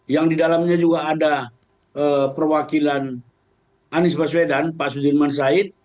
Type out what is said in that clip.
yang di dalamnya juga ada perwakilan anies baswedan pak sudirman said